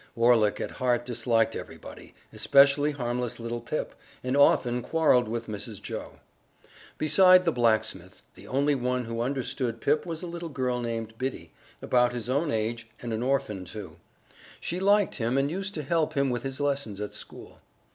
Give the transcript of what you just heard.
Orlick at heart disliked everybody especially harmless little Pip and often quarreled with Mrs. Joe. Beside the blacksmith, the only one who understood Pip was a little girl named Biddy, about his own age and an orphan, too. She liked him and used to help him with his lessons at school.